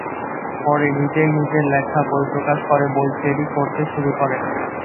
পরে নিজেই নিজের লেখা বই প্রকাশ করে বই ফেরি করতে শুরু করেন।